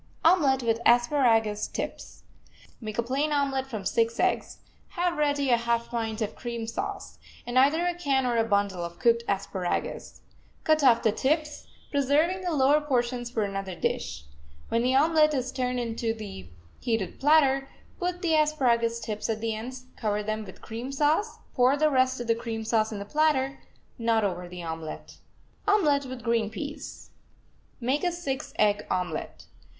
OMELET WITH ASPARAGUS TIPS Make a plain omelet from six eggs, have ready a half pint of cream sauce, and either a can or a bundle of cooked asparagus. Cut off the tips, preserving the lower portions for another dish. When the omelet is turned onto the heated platter, put the asparagus tips at the ends, cover them with cream sauce, pour the rest of the cream sauce in the platter, not over the omelet. OMELET WITH GREEN PEAS Make a six egg omelet.